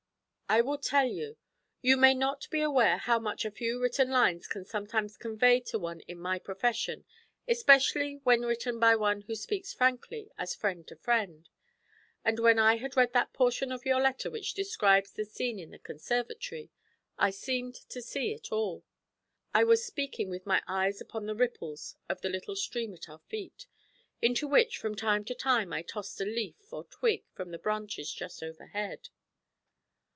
'I will tell you. You may not be aware how much a few written lines can sometimes convey to one in my profession, especially when written by one who speaks frankly, as friend to friend; and when I had read that portion of your letter which describes the scene in the conservatory, I seemed to see it all.' I was speaking with my eyes upon the ripples of the little stream at our feet, into which, from time to time, I tossed a leaf or twig from the branches just overhead.